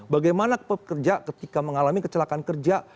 bagaimana pekerja ketika mengalami kecelakaan kerja